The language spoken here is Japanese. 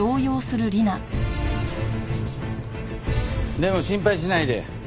でも心配しないで。